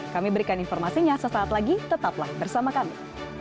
kami berikan informasinya sesaat lagi tetaplah bersama kami